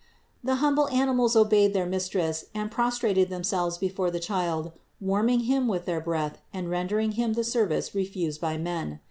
The humble animals obeyed their Mistress and prostrated themselves before the Child, warming Him with their breath and render ing Him the service refused by men.